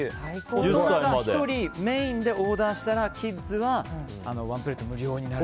大人が１人メインをオーダーしたらキッズはワンプレート無料になると。